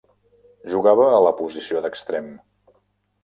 Jugava a la posició d'extrem.